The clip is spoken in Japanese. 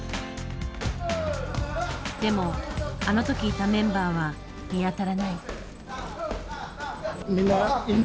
でもあの時いたメンバーは見当たらない。